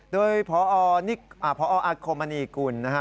โดยพออาคมณีกุลนะฮะ